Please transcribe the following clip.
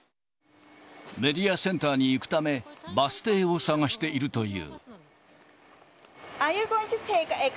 メディアセンターに行くため、バス停を探しているという。